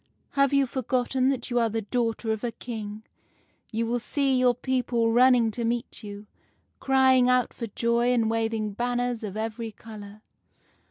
' Have you forgotten that you are the daughter of a King? You will see your people running to meet you, crying out for joy and waving banners of every color.